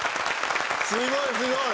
すごいすごい！